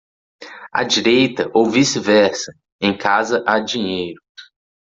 À direita ou vice-versa, em casa há dinheiro.